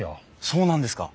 そうなんですか？